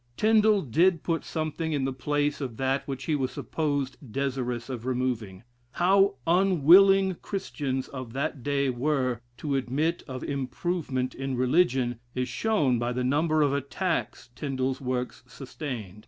Tindal did put something in the place of that which he was supposed desirous of removing. How unwilling Christians of that day were to admit of improvement in religion, is shown by the number of attacks Tindal's work sustained.